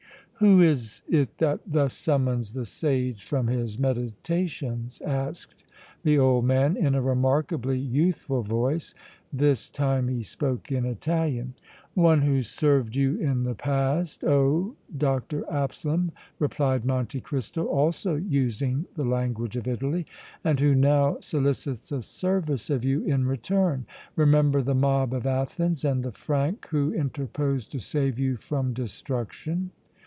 "Who is it that thus summons the sage from his meditations?" asked the old man, in a remarkably youthful voice. This time he spoke in Italian. "One who served you in the past, oh! Dr. Absalom," replied Monte Cristo, also using the language of Italy, "and who now solicits a service of you in return. Remember the mob of Athens and the Frank who interposed to save you from destruction!"